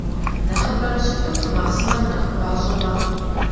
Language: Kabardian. Нэхъыбэрэ щытыху, махъсымэр нэхъ гуащIэ мэхъу.